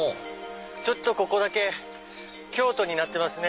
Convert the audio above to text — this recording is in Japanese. ちょっとここだけ京都になってますね。